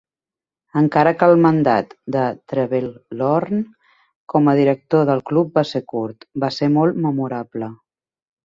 Encara que el mandat de Trebelhorn com a director del club va ser curt, va ser molt memorable.